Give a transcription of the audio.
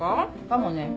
かもね。